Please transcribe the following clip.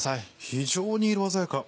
非常に色鮮やか。